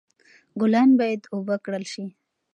ګلان باید اوبه کړل شي.